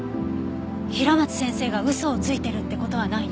平松先生が嘘をついてるって事はないの？